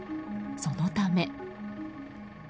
そのため。